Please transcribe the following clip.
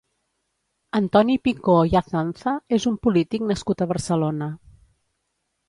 Antoni Picó i Azanza és un polític nascut a Barcelona.